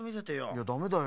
いやダメだよ。